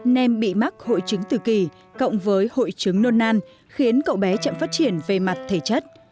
nem bị mắc hội chứng tự kỳ cộng với hội chứng nôn nan khiến cậu bé chẳng phát triển về mặt thể chất